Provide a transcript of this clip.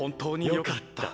よかった。